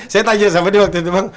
saya tanya sama dia waktu itu bang